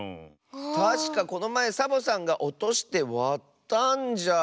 たしかこのまえサボさんがおとしてわったんじゃ。